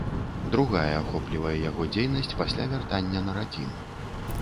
Другая ахоплівае яго дзейнасць пасля вяртання на радзіму.